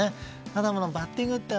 ただ、バッティングって